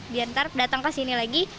biar nanti datang ke sini lagi beda lagi